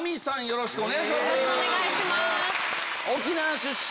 よろしくお願いします。